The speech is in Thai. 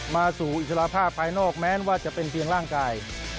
มาสู่อิสระภาพภายนอกแม้ว่าจะเป็นเพียงร่างกาย